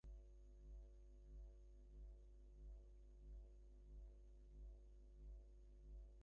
প্রথমার্ধেই তিনটি গোল হজম করে অসহায় আত্মসমর্পণই করতে হয়েছে ডিয়েগো সিমিওনের শিষ্যদের।